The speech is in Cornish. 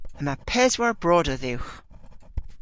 Yma peswar broder dhywgh.